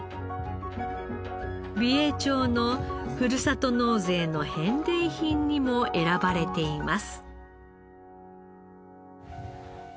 美瑛町のふるさと納税の返礼品にも選ばれています。